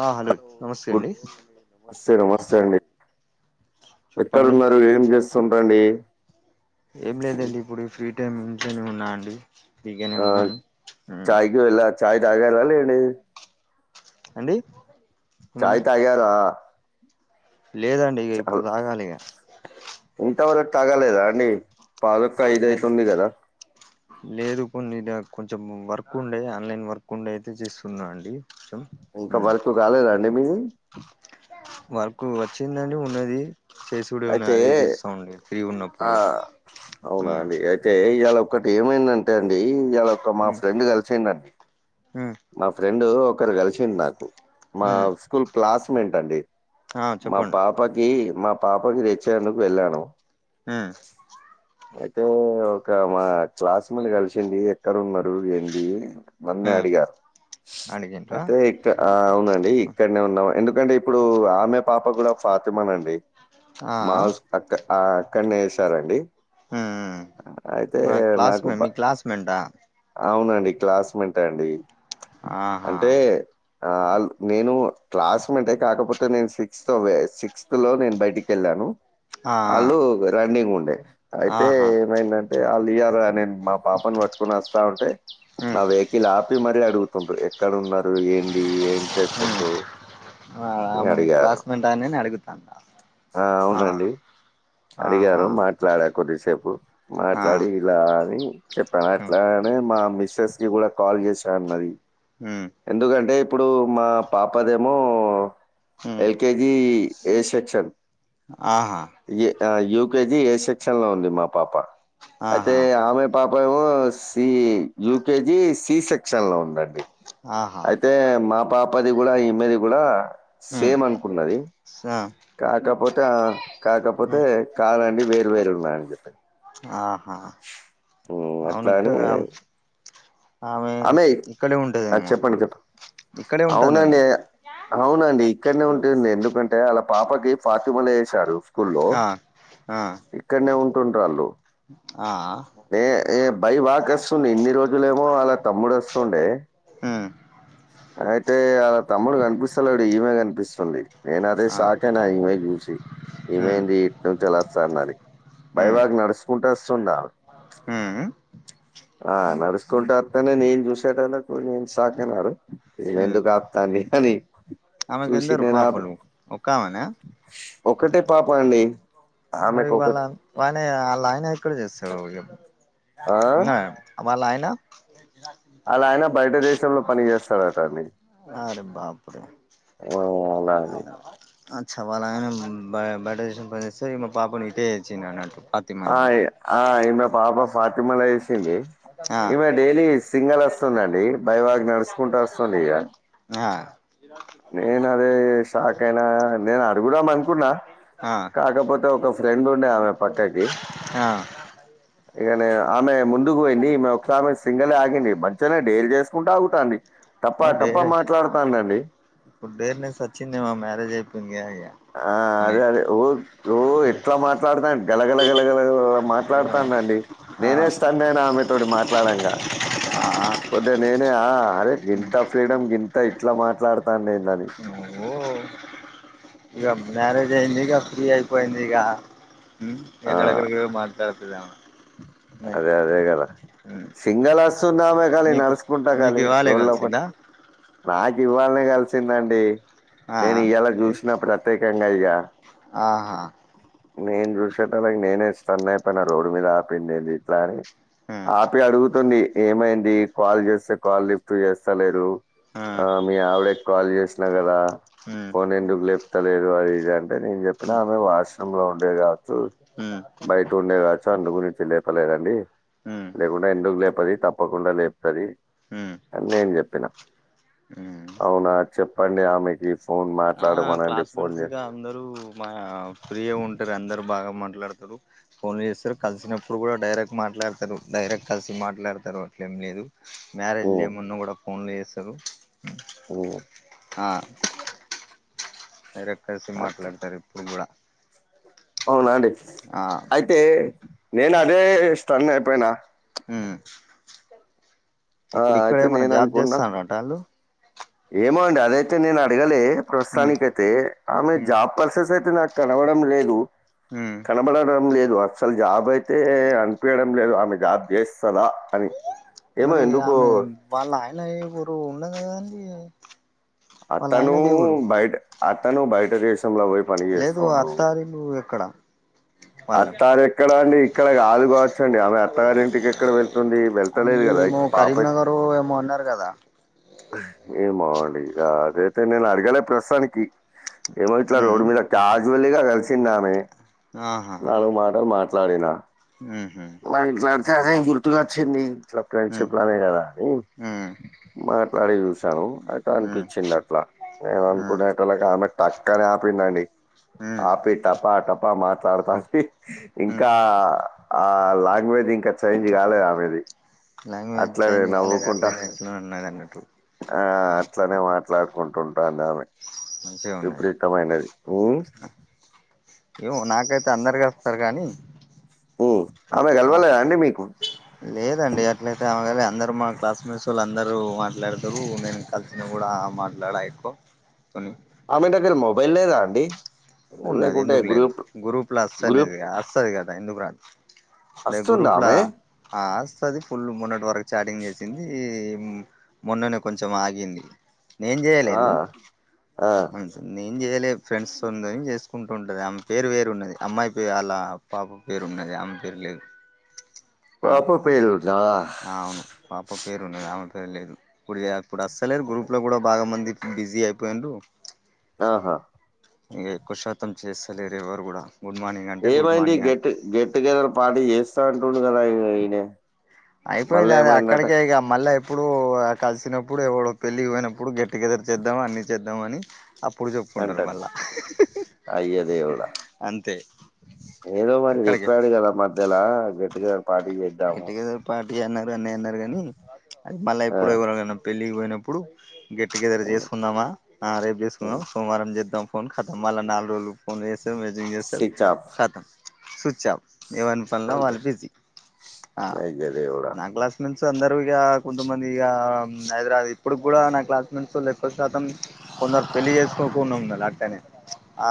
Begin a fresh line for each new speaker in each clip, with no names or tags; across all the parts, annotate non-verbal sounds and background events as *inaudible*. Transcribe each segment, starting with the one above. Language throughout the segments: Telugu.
ఆ
హలో
నమస్తే
గుడ్
అండి
మార్నింగ్ నమస్తే నమస్తే అండి
చెప్పండి
ఎక్కడున్నారు ఏం చేస్తుండ్రండి
ఏం లేదండి ఇప్పుడు ఫ్రీ టైమ్ ఇంట్లోనే ఉన్నా అండి ఫ్రీగానే
ఆ
ఉన్నాను ఆ
చాయ్కి వెళ్ళ చాయ్ తాగారా లేండి
అండి
చాయ్
ఏమన్నారు
తాగారా
లేదండి ఇగ ఇప్పుడు తాగాలిగ
ఇంతవరక్ తాగలేదా అండి పాలు
లేద్ లేదు కొన్ని డా కొంచెం వర్క్ ఉండే ఆన్లైన్ వర్క్ ఉండే అయితే చేస్తున్నా అండి కొంచెం
ఇంకా వర్క్కు కాలేదా అండి మీది
వర్కు వచ్చిందండి ఉన్నది చేసుడే ఉన్నదది
అయితే
అదే చేస్తూ ఉండే ఫ్రీగున్నప్పుడు ఊ
తే ఇయాలొకటి ఏమైందంటే అండి ఇయాలొక మా ఫ్రెండ్ కలిసిండండి
హు
మా ఫ్రెండు ఒకరు కలిసింద్ నాకు మా
ఉమ్
స్కూల్ క్లాస్ మేంట్ అండి
ఆ
మా
చెప్పండి
పాపకి మా పాపకిచ్చేందుకు వెళ్ళాను
హు
అయితే ఓ ఒక మా క్లాస్మేట్ కలిసింది ఎక్కడ ఉన్నారు ఏంది మొన్నే
ఉమ్
అడిగా
అడిగిండ్రా
ఇక్ ఆ అవునండి ఇక్కడ్ నే ఉన్నాం ఎందుకంటే ఇప్పుడు ఆమె పాప కూడా ఒక్ ఫాతిమానే అండి
ఆ ఆ
మా హౌస్ అక్క ఆ అక్కడ్ నే ఏసారండి
ఉమ్
అయితే
మా క్లాస్మే మీ
నాకుక
క్లాస్మెంటా
అవునండి క్లాస్మేట్ అండి
ఆహా
అంటే ఆ ఆళ్లు నేను క్లాస్మేట్ కాకపోతే నేను సిక్స్త్ వే సిక్స్త్ లో నేను బయటికి కేళ్ళాను
ఆ
అల్లు రన్నింగ్ ఉండే
ఆ
అయితే
ఆహా
ఏమైంద టే వాళ్ళ ఇయాల నేను మా పాపని పట్టుకునీ వస్తా ఉంటే
ఉమ్
నా వెహికల్ ఆపి మరీ అడుగు టరు ఎక్కడ ఉన్నారు ఏంది ఏం
ఉమ్
చేస్తుండ్రు
ఆ
అని
అమే
అడిగారు.
క్లాస్మేట్ ఆయనని అడుగుతాందా
ఆ! అవునండి. అడిగారు మాట్లాడ కొద్దిసేపు
ఆ
మాట్లాడి ఇలా అని చెప్పాను
ఉమ్
అట్లానే మా మిస్సెస్ కి కూడా కాల్ చేశా అన్నది
ఉ
ఎందుకంటే ఇప్పుడు మా పాపదేమో
ఉమ్
ఎల్ కేజీ ఏ సెక్షన్
ఆహా
యూకేజీ ఏ సెక్షన్ లో ఉంది మా పాప అయితే
ఆహా
ఆమె పాప ఏమో సి యూకేజి సి సెక్షన్ లో ఉంది అండి
ఆహా
అయితే మా పాపది కూడా ఈమెది కూడా
ఉమ్
సేమ్ అనుకున్నది
స
కాకపోతే ఆ కాకపోతే
ఉమ్
కాదండి వేరు వేరు ఉన్నాయి అని చెప్పాను
ఆహా
హ్మ్. అట్లా
అవునుకు
అని ఆమె ఆ
ఉంటదేమో
చెప్పండి
ఇప్పుడు
చెప్పు
ఇక్కడే ఉంటుందేమో
అవునండి అవునండి ఇక్కడనే ఉంటుండే ఎందుకంటే వాలా పాపకి ఫాతిమాలో వేశారు స్కూల్లో
ఆ
ఇక్కడనే ఉంటుండ్రు ఆళ్ళు
ఆ ఆ
ఏ ఏ బై వాక్ వస్తుండే ఇన్ని రోజులు ఏమో వాళ్ళ తమ్ముడు వస్తుండే
ఉమ్
అయితే వాళ్ల తమ్ముడు కనిపిస్తలేడు ఈమె కనిపిస్తుంది నేనైతే
ఆ
షాక్ అయిన ఈమెని చూసి ఈమె
ఉమ్
ఏంది ఇటికేలి వస్తాందని బై వాక్ నడుచుకుంటే వస్తుంది ఆమె
మ్
ఆ నడుచకుంటనే నేను చూసేటళ్లకు నేను షాక్ అయిన ఆరోజు ఈమె ఎందుకు దాన్ని ఇస్త నీక్
అమెకు ఎందరు పాపలు ఒక్కమెన
ఒక్కటే పాప అండి
మరి
ఆమెకు
వాళ్ల
ఒకటి
వాళ్ళ ఆయన ఎక్కడ చేస్తారు చెప్పు
ఆ?
ఉన్నాడా వాళ్ళ ఆయన
ఆళ్ళాయన బయట దేశంలో పని చేస్తాడట అండి.
అరే బపురే
ఆ! అలా అని.
అచ్చ వాళ్ళాయన బ బయట దేశం పోయి వస్తే మా పాపను ఇటే దేచ్చిండు అన్నట్టు
ఆ
ఫాతిమల్ని
ఆ ఇన్న పాప ఫాతిమల వేసింది
ఆ
ఇమె డైలీ సింగల్ వస్తుందండి బైవాగ్ నడుచుకుంటూ వస్తుంది ఇక అదే షాక్ అయినా నేను అడుగుదాం అనుకున్నా
ఆ
కాకపోతే ఒక ఫ్రెండ్ ఉండే ఆమె పక్కకి
ఆ
ఇగనే ఆమె ముందుకు పోయిందిఈమె ఒకామె ఆమె సింగల్ ఆగంది బట్ ఉత్తగానే డేర్ చేసుకుంటూ ఆగుతాంది తప్ప తప్ప మాట్లాడుతానండి
డేర్ నెస్ వచ్చిందే మా మ్యేజ్ అయిపోయింది ఇగ
ఆ అదే అదే ఊ ఊ ఎట్లా మాట్లాడుతాంది గలగల గలగల
ఇగ
మాట్లాడుతాండండి
ఆ
నేనే స్టన్ అయినా ఆమెతోడు మాట్లాడంగా
ఆ
కొద్దిగ నేనే ఆ అరే గింత ఫ్రీడమ్ గింత ఇట్ల మాట్లాడతాండేందని
నువ్ ఇగ మ్యారేజ్ అయింది ఇగ ఫ్రీ అయిపోయింది ఇగ మ్ ఎక్కడెక్కడికో మాట్లాడతాది ఏమన్న అంటే
అదే అదే గదా
మ్
సింగల్ వస్తున్నామే గానీ నడుచుకుంటా
నీకు
గాని
ఇవాళే
లోలోపని
కలిసిందా
నాకు ఇవ్వాల్ నే కలిసిందండి.
ఆ
నేను ఇయ్యాల చూసిన ప్రత్యేకంగా ఇక
ఆహా
నేను చూసేటోళ్ళకి నేనే స్టన్ అయిపోయిన రోడ్డు మీద ఆపింది ఏంది ఇట్లా అని ఆపి అడుగుతుంది. ఏమైంది? కాల్ చేస్తే కాల్ లిఫ్ట్ చేస్తలేరు? ఆ మీ ఆవిడ కి కాల్ చేసిన కదా!
మ్
ఫోన్ ఎందుకు లేపుత లేదు అది ఇది అని అంటే నేను చెప్పినా. ఆమె వాష్ రూమ్ లో ఉండే కావచ్చు,
ఉమ్
బయట ఉండే కాచ్ చ అందుగురించి లేపలేదండి. లేకుండే, ఎందుకు లేపది తప్పకుండా లేపుతది. అని నేను చెప్పిన.
మ్
అవునా చెప్పండి ఆమెకి. ఫోన్
ఆ
మాట్లాడమనండి. ఫోన్
క్లాస్మేట్స్
చే
గా అందరూ మా ఫ్రీగా ఉంటారు. అందరు బాగ మాట్లాడతారు. ఫోన్ చేస్తారు కలిసినప్పుడు కూడా డైరెక్ట్ మాట్లాడతారు డైరెక్ట్ కలిసి మాట్లాడతారు అట్లేం లేదు. మ్యారేజ్ లు
"ఉమ్,
ఏమున్నా కూడ ఫోన్లు చేస్తారు.
ఉమ్,
ఆ వేరే కలిసి
అట్లా.
మాట్లాడతారు ఇప్పుడు కూడ.
అవునా అండి
ఆ
అయితే నేను అదే స్టన్ అయిపోయిన.
మ్
ఆ
ఇప్పుడు ఇక్కడ
అయితే
ఏమైన్నా
నేను
జాబ్
అనుకున్నా
చేస్తాన్రట వాళ్ళు?
ఏమో అండి అదైతే నేను అడగలే
ఉమ్
ప్రస్తుతానికి అయితే. ఆమె
ఉమ్
జాబ్ పర్సస్ అయితే నాకు తడవడం లేదు.
మ్
కనబడడం లేదు. అస్సలు జాబ్ అయితే అనిపీయడం లేదు ఆమె జాబ్ చేస్తదా, అని ఏమో
మరి
ఎందుకో
ఆమె వాళ్ళ ఆయన ఎవరో ఉన్నది కదండి వాళ్ళ
అతను
ఆయనది ఏ ఊరు
బయట అతను బయట దేశంల వైపు
లేదు అత్తారిల్లు ఎక్కడ? వాళ్ళ
అత్తారు ఎక్కడ అండి ఇక్కడ కాదు కావచ్చండి. ఆమె అత్తగారి ఇంటికి ఎక్కడ వెళ్తుంది? వెళ్తలేదు కదా! పాప
కరీంనగరు ఏమో అన్నారు కదా!
ఏమో అండీ ఇగ. అదైతే నేను అడగలే ప్రస్తుతానికి ఏమో ఇట్లా
ఉమ్
రోడ్ మీద క్యాసువల్ గా కలిసింది ఆమె.
ఆహా
నాలుగు మాటలు మాట్లాడినా.
ఉహు
వానికి సర్సెసాయ్ గుర్తుక వచ్చింది, ఇట్లా ఫ్రెండ్షిప్ లానే కదా అని,
మ్
అట్లాడే చూసాను. అయితే
ఉమ్
అనిపించింది అట్లా. నేను
ఉమ్
అనుకునే పట్టలకే ఆమె టక్కనే ఆపిందండి.
ఉమ్
ఆపి టపా టపా మాట్లాడతాంది.
ఉమ్
ఇంకా ఆ లాంగ్వేజ్ ఇంకా, చేంజ్ కాలేదు ఆమెది.
లాంగ్వేజ్
అట్లనే
చైంజ్ కాలేదు.
నవ్వుకుంటా
అట్లానే ఎట్లనో ఉన్నది అన్నట్టు.
ఆ అట్లనే మాట్లాడుకుంటుంటాంది ఆమె.
మంచిగా ఉన్నది.
విపరీతమైనది ఉమ్.
ఏమో నాకైతే అందరూ కలుస్తారు కానీ
ఉ ఆమె
ఆ
కలవలేదా అండి మీకు
లేదండి అట్లయితే ఆమె కాదు మా క్లాస్మేట్స్ వాళ్ళ అందరూ మాట్లాడతారు నేను కలిసి నువ్వు కూడా మాట్లాడు ఆయపో కొన్ని
ఆమె దగ్గర మొబైల్ లేదా అండి
ఉన్నది
లేకుంటే
ఎందుకు లేదు
గ్రూప్
గ్రూప్ లో
గ్రూప్
వస్తునేది వస్తుది కదా ఎందుకు రాదు
వస్తుందా
గ్రూప్
ఆమె?
వస్తది ఆ ఫుల్ మొన్నటి వరకు చాటింగ్ చేసింది మొన్ననే కొంచెం ఆగింది నేను
ఆ!
చేయలేదు
ఆ!
అవు సార్ నేను చెయలే ఫ్రెండ్స్ తోనీ డ్రైవింగ్ చేసుకుంటూ ఉంటది ఆమె పేరు వేరు ఉన్నది అమ్మాయి పేరు అళ పాప పేరు ఉన్నది ఆమె పేరు లేదు ఆ
పాప పేరు ఉన్నదా
అవును పాప పేరు ఉన్నది ఆమె పేరు లేదు ఇప్పుడు ఇప్పుడు అస్సలేరు గ్రూప్ లో కూడా బాగా మంది బిజీ అయిపోయిరు
ఆహా
ఇగా ఎక్కువ శాతం చేస్తలేరు ఎవరు కూడా గుడ్ మార్నింగ్ అంటే గుడ్
ఏమంది
మార్నింగ్ అని
గెట్ గెట్ టుగెదర్ పాటీ చేస్తా అంటుడు కదా ఈయన
అయిపోయింది అది అక్కడిక ఇక మళ్ళీ ఎప్పుడు కలిసినప్పుడు ఎవడో పెళ్ళి పోయినప్పుడు గెట్టుగెదర్ చేద్దాం అన్ని చేద్దాం అని అప్పుడు చెప్పుకుంటారు
అంటారు.
మళ్ళా
అయ్య దేవుడా!
అంతే
ఏదో మరి
అక్కడికే
చెప్పాడు కదా మధ్యలో గెట్ టుగెదర్ పార్టీ
గెట్
చేద్దాము.
టుగెదర్ పార్టీ అన్నారు అన్నయ అన్నారు కానీ అది మళ్ళా
ఆ!
ఎప్పుడరాల పెళ్ళికి పోయినప్పుడు గెట్ టుగెదర్
హ్మ్.
చేసుకుందామా రేపు
హ్మ్.
చేసుకుందాం సోమవారం చేద్దాం ఫోన్ కతాం మళ్ళా నాలుగు రోజులు ఫోన్ చేస్తారు మెసేజ్ చేస్తారు
స్విచ్ ఆఫ్
కతాం స్విచ్ ఆఫ్ ఎవని పనుల
అంతే.
వాళ్ళు బిజీ ఆ
అయ్య దేవుడా!
నా క్లాస్ మెట్స్ అందరూ ఇగ కొంతమంది ఈ హైదరాబాద్ ఇ ఇప్పుడు కూడా నా క్లాస్మేట్స్ వాళ్ళు ఎక్కువ శాతం కొందరు పెళ్లి చేసుకోకుండా ఉన్నారు అట్లనే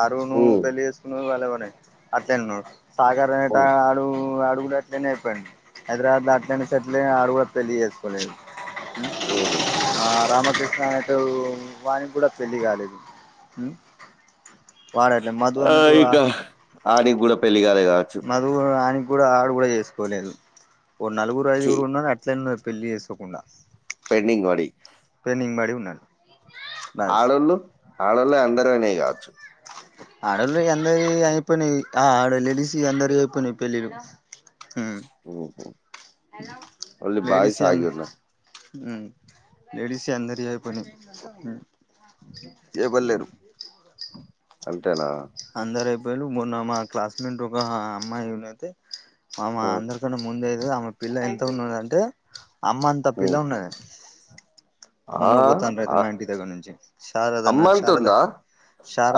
అరుణ్ ను
హ్మ్.
పెళ్ళి చేసుకును వాళ్ళవనేయి అట్లానే ఉన్నాడు సాగర్ అనేట
హ్మ్.
వాడు వాడు కూడా అట్లానే అయిపోయిండు హైదరాబాద్ ద అట్లానే సట్లే ఆడ కూడా పెళ్లి చేసుకోలేదు
ఉహో
ఆ రామకృష్ణ అనేటోడు వాని కూడా పెళ్లి కాలేదు ఉ వాడ అట్నే మం
ఆ ఇక ఆడకి కూడా పెళ్లి కాలే కావచ్చు
నలుగురు ఆని కూడా ఆడు కూడా చేసుకోలేదు ఓ నలుగురు
ఛీ
ఐదుగురు ఉన్నా అట్లా ఉన్నారు పెళ్లి చేసుకోకుండా
పేడింగ్ వడి
ప్రెనింగ్ మరిడి ఉన్నాలు
ఆడళ్ళు ఆడళ్ళు అందరునే కావచ్చు
ఆడోళ్ళు అందరి అయిపోయినాయి ఆ ఆడోళ్ళు లేడీస్ అందరి అయిపోయినాయి పెళ్లిళ్లు హు
ఊహు. ఓన్లీ
లేడీస్
బాయ్స్ ఆగి
అంద
ఉన్నారు
లేెడిస్ అందరి అయిపోయి ఎవరు
ఊ,
లేరు
అంతేనా
అందరు అయిపోయళ మొన్న మా క్లాస్మేట్ ఒక అమ్మాయినైతే మామ
ఊ,
అందరికన్నా ముందైతే ఆమె పిల్ల ఎంత ఉన్న *unintelligible* టే అమ్మన్త
ఊ.
పిల్ల ఉన్నది.
ఆ,
మొన్న బోతాన్నది
ఆ,
మా ఇంటి దగ్గర్నుంచి శారదా
అమ్మ
నా శారదా
అంటుందా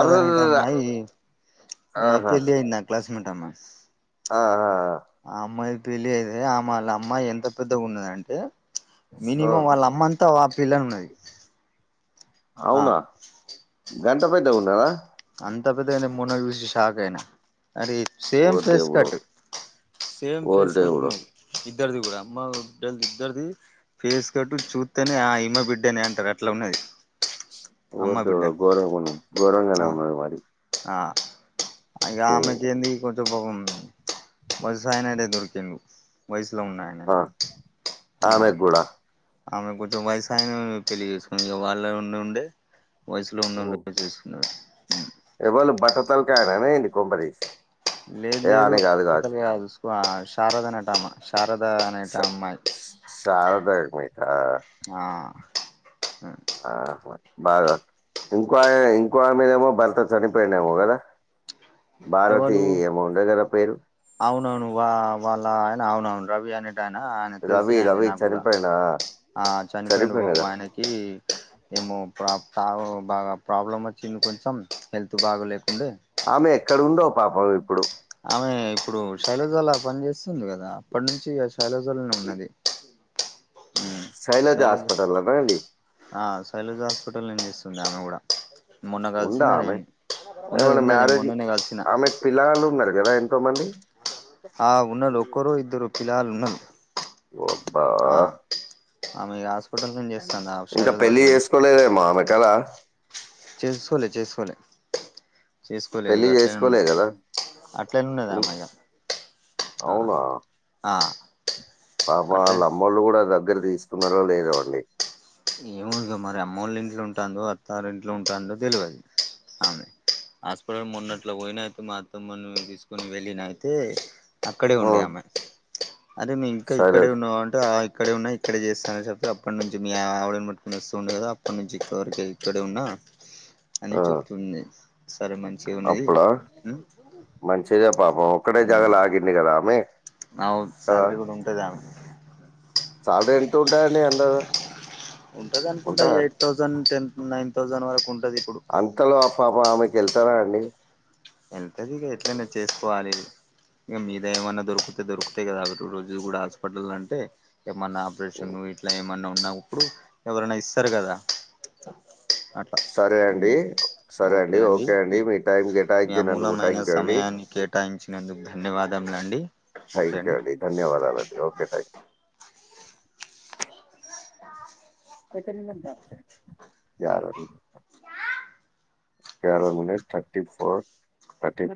అర్రర్ర
అమ్మాయి పెళ్లయింది నా క్లాస్మేట్టామ్మా
ఆ ఆ ఆ
ఆ అమ్మాయి పెళ్లియితే ఆమాళ అమ్మాయి ఎంత పెద్దగున్నదంటే
ఓ,
మినిమం వాళ్ళమ్మంత వ పిల్లనున్నది
అవునా గంత పేద్దగున్నాదా
అంత పెద్దగయినా మొన్న జూసి షాక్ అయినా అరే
ఓ
సేమ్ ఫేస్
దేవుడు
కట్ సేమ్
ఓ
ఫేస్ కట్
దేవుడు
ఉన్నది ఇద్దర్ది కూడా అమ్మ బిడ్డల్దిద్దర్ది ఫేస్ కట్టు చూతేనే య ఇమ్మ బిడ్డనే అంటారు అట్లా ఉన్నది
పోవద్
అమ్మ
దేవుడా
బిడ్డని
గోరంగున్నది గోరంగానే
ఆ
ఉన్నది మరి
ఆ ఇగ
ఊ,
ఆమెకి ఏంది కొన్ చెప్పకముందు వసయన్నేలే దొరికిండు వయసులో ఉన్నాయన
ఆ
ఆ
ఆమెకు కూడా
ఆమె కొంచెం వయసాయనను *unintelligible* పెళ్లి చేసుకుంది ఇగ వాళ్ళ ఉండి ఉండే. వయసులో ఉన్నోళ్లే చేసుకున్నాడు
ఎవళ్లు బట్టతలకాయ్యనేనా కొంపదిస్
లేదు లేదు బట్ట తల్కాయ్ కాదు స్క్వా శారదనేటమ శారద అ
ష శారదా అడ్మిటా
ఆ హు
ఆహ బాగా ఇంకోఆ ఇంకో ఆమె దేమో భర్త చనిపోయిన్డేమో కదా భారతి
ఎవలు
ఏమో ఉండే గదా పేరు
అవునవును వా వాళ్ల ఆయన అవునవును రవి అనే టయన ఆయన
రవి
తెల్సినయినే
రవి
నాక్గూడా,
చనిపోయిన
ఆ చనిపోయిన్డు
చనిపోయిండు కదా
పాపం ఆయనకి. ఏమో ప్రా ప్రాబ్లం బాగా ప్రాబ్లం వచ్చింది కొంచెం హెల్త్ బాగోలేకుండే.
ఆమె ఎక్కడున్దో పాపం ఇప్పుడు
ఆమె ఇప్పుడు శైలజలో పని చేస్సున్ది కదా! అప్పడ్నుంచిఇగ శైలజలోనే ఉన్నది.
శైలజ హాస్పిటల్ల్లోనండి
ఆ సైలజ హాస్పిటల్నేమ్ చేస్తుంది ఆమె కూడా మొన్న
ఉందా
కల్సినా
ఆమె
నేను ఉన్నది ఉన్నది నేన్ మొన్ననే కల్సిన
పిల్ల గాళ్ళున్నారు గదా ఎంతో మంది
ఆ ఉన్నలు ఒక్కరో ఇద్దరో పిల్లగాళ్ళున్నాలు
ఓబ్బా
ఆ ఆమీగా హాస్
ఇంకా పెళ్ళి చేసుకోలేదేమో ఆమె కదా
చేస్కోలే చేస్కోలే చేసుకోలేదు
పెళ్లి చేసుకోలే
గట్లేనున్నది
కదా
అట్లనున్నదామే ఇగ ఆ
అవునా
ఆ
పాపం
అట్లే
ఆళ్ళమ్మ్మోళ్ళు కూడా దగ్గర్కి తీసుకున్నారో లేదోన్డి
ఏమో ఇగ మరి అమ్మోలిన్ట్లోఉంటాందో, అత్తారింట్లో ఉంటాందో తెల్వది ఆమె? హాస్పిటల్ మొన్నట్లా పోయిన *unintelligible* మా అత్తమ్మను తీసుకొని వెళ్ళిన అయితే. అక్కడే ఉండే
హ్మ్
ఆమె, అదే నేనిక్క
సరే
ఇక్కడే ఉన్నావ అంటే ఆ ఇక్కడే ఉన్నాయి. ఇక్కడ చేస్తానని చెప్పతే అప్పటినుంచని *unintelligible* వస్తుండు కదా అప్పటి నుంచి ఇక్కవరకి ఇక్కడే ఉన్నా అని
ఆ
చెప్తుంది సరే మంచిగా ఉన్నది
మంచిగా పాపం ఒక్కటే
ఉమ్.
జాగల ఆగింది కదా ఆమె
ఆ
కదా
శాలరీ కూడా ఉంటది ఆమెకు
సాలరీ ఎంత ఉంటదండి అందాదా
ఉంటది అనుకుంటా eight thousand ten nine thousand వరకు ఉంటది ఇప్పుడు
అంతలో ఆ పాపం ఆమెకి వెళ్తారా అండి
ఎల్తది ఇగ ఎట్లా అయినా చేసుకోవాలని ఇంగా మీద ఏమన్నా దొరుకుతే దొరుకుతాయి కదా ఒకట్టి రోజు కూడా హాస్పిటల్ అంటే ఏమన్నా ఆపరేషన్
ఉమ్,
ఇట్లా ఏమన్నా ఉన్నప్పుడు ఎవరన్నా ఇస్తారు కదా అ
సరే అండి సరే అండి ఓకే అండి మీ టైమ్ కేటాయించినందుకు థ్యాంక్ యూ అండి
థాంక్యూ అండి ధన్యవాదములు అండి
థాంక్యూ అండి ధన్యవాదాలు అండి ఓకే థ్యాక్ యాడ అది గ్యార మినిట్ థర్టీ ఫోర్ థర్టీ